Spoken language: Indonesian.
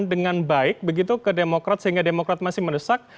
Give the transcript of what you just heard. dengan baik begitu ke demokrat sehingga demokrat masih mendesak